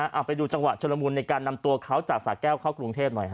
เอาไปดูจังหวะชุลมูลในการนำตัวเขาจากสาแก้วเข้ากรุงเทพหน่อยฮะ